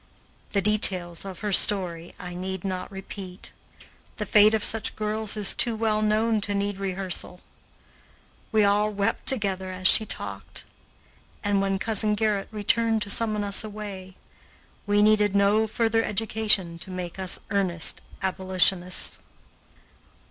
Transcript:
The details of her story I need not repeat. The fate of such girls is too well known to need rehearsal. We all wept together as she talked, and, when Cousin Gerrit returned to summon us away, we needed no further education to make us earnest abolitionists.